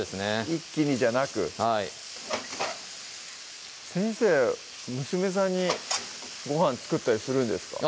一気にじゃなくはい先生娘さんにごはん作ったりするんですか？